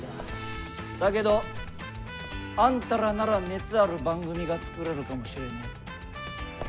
だけどあんたらなら熱ある番組が作れるかもしれねえ。